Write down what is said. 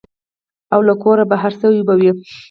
او له کوره بهر شوي به وي.